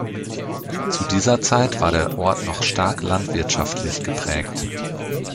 Zu dieser Zeit war der Ort noch stark landwirtschaftlich geprägt.